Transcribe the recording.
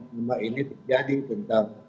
rumah ini terjadi tentang